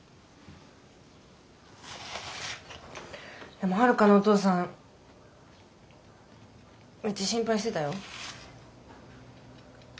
でもはるかのお父さんめっちゃ心配してたよ。